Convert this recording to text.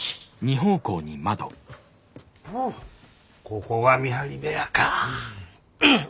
おおここが見張り部屋か。